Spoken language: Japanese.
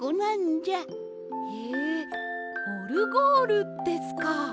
へえオルゴールですか。